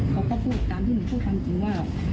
เขาก็พูดตามที่หนูพูดความจริงว่า